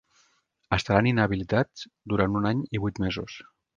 Estaran inhabilitats durant un any i vuit mesos.